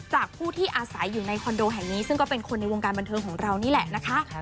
ผู้ที่อาศัยอยู่ในคอนโดแห่งนี้ซึ่งก็เป็นคนในวงการบันเทิงของเรานี่แหละนะคะ